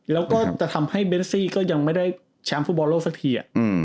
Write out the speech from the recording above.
แล้วก็จะทำให้เบนซี่ก็ยังไม่ได้แชมป์ฟุตบอลโลกสักที